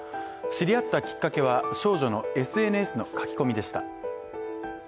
知り合ったきっかけは少女のＳＮＳの書き込みでした。